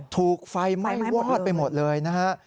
ถูกไฟไหม้วอดไปหมดเลยนะฮะ